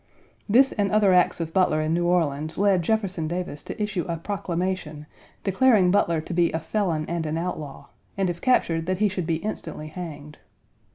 This and other acts of Butler in New Orleans led Jefferson Davis to issue a proclamation, declaring Butler to be a felon and an outlaw, and if captured that he should be instantly hanged.